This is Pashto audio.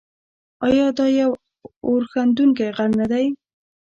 آیا دا یو اورښیندونکی غر نه دی؟